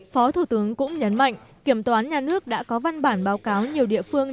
phó thủ tướng cũng nhấn mạnh kiểm toán nhà nước đã có văn bản báo cáo nhiều địa phương